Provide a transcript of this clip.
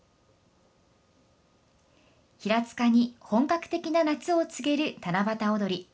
平塚に本格的な夏を告げる七夕おどり。